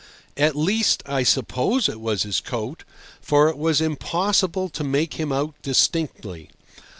At least, I suppose it was his coat, for it was impossible to make him out distinctly.